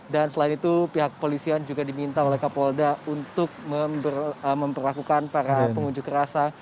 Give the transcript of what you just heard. dan selain itu pihak kepolisian juga diminta oleh kapolda untuk memperlakukan para pengunjung kerasa